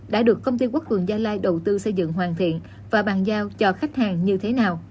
đã được công ty quốc cường gia lai đầu tư xây dựng hoàn thiện và bàn giao cho khách hàng như thế nào